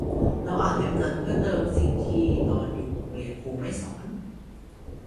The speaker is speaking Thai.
เราอ่านเล่มนั้นเพื่อเติมสิ่งที่ตอนอยู่โรงเรียนครูไม่สอน